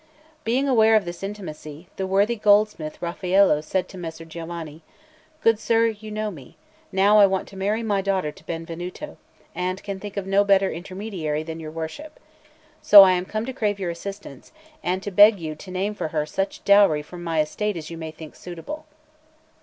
Being aware of this intimacy, the worthy goldsmith Raffaello said to Messer Giovanni: "Good sir, you know me; now I want to marry my daughter to Benvenuto, and can think of no better intermediary than your worship. So I am come to crave your assistance, and to beg you to name for her such dowry from my estate as you may think suitable."